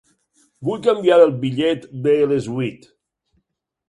Vull canviar el bitllet de les vuit.